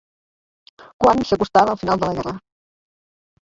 Quan s'acostava el final de la guerra.